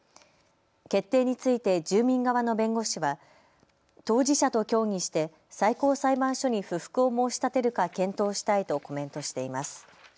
決定について住民側の弁護士は当事者と協議して最高裁判所に不服を申し立てるか検討したいとコメントしています。